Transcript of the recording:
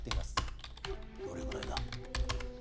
どれぐらいだ？